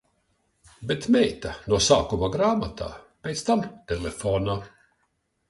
Bet meita – no sākuma grāmatā, pēc tam telefonā...